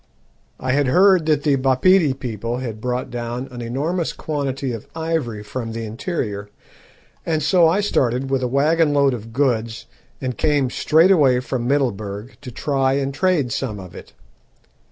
I had heard that the Bapedi people had brought down an enormous quantity of ivory from the interior, and so I started with a waggon load of goods, and came straight away from Middelburg to try and trade some of it.